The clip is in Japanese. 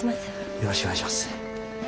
よろしくお願いします。